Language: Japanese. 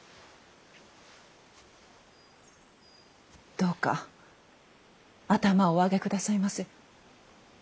どうか頭をお上げ下さいませ。